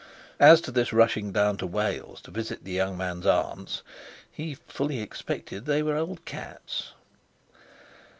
As to this rushing down to Wales to visit the young man's aunts, he fully expected they were old cats.